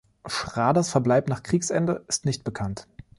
Schraders Verbleib nach Kriegsende ist nicht bekannt.